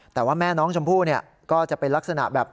แต่ว่าแม่น้องชมพู่ก็จะเป็นลักษณะแบบ